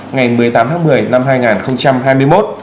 ngày một mươi tám tháng một mươi năm hai nghìn hai mươi một